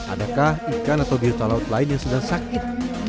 adakah ikan atau biota laut lain yang sedang sakit